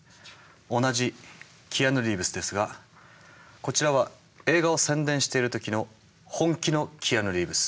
同じキアヌ・リーブスですがこちらは映画を宣伝してる時の本気のキアヌ・リーブス。